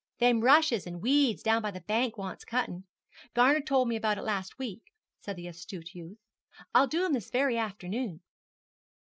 'Them rushes and weeds down by the bank wants cutting. Gar'ner told me about it last week,' said the astute youth. 'I'll do 'em this very afternoon.'